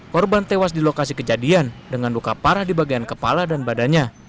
korban tewas di lokasi kejadian dengan luka parah di bagian kepala dan badannya